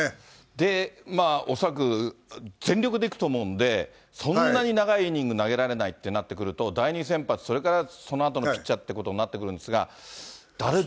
で、まあ、恐らく全力でいくと思うんで、そんなに長いイニング投げられないってなってくると、第２先発、それからそのあとのピッチャーってなってくるんですが、ダルビッ